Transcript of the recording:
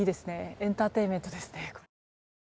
エンターテインメントですね。